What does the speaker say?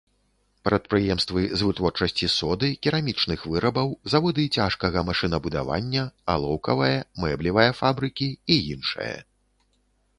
Прадпрыемствы з вытворчасці соды, керамічных вырабаў, заводы цяжкага машынабудавання, алоўкавая, мэблевая фабрыкі і іншае.